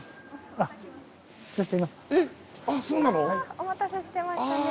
あお待たせしてましたね。